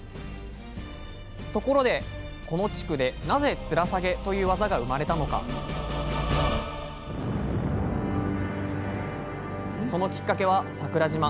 ところでこの地区でなぜ「つらさげ」という技が生まれたのかそのきっかけは桜島。